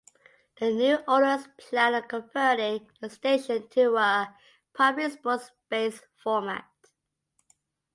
The new owners plan on converting the station to a primarily sports-based format.